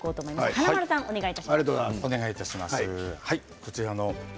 華丸さん、お願いします。